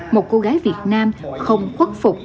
một cô gái việt nam không quất phục